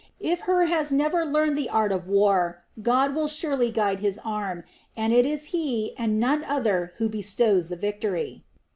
If Hur has never learned the art of war, God will surely guide his arm, and it is He and none other who bestows victory.